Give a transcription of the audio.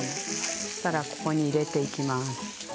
そしたらここに入れていきます。